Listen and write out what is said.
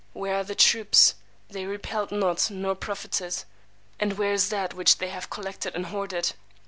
Where are the troops? They repelled not, nor profited. And where is that which they collected and hoarded?